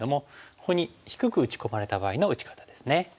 ここに低く打ち込まれた場合の打ち方ですね。